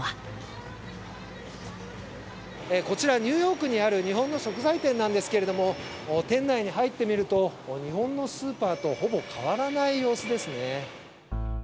こちら、ニューヨークにある日本の食材店なんですけれども、店内に入ってみると、日本のスーパーとほぼ変わらない様子ですね。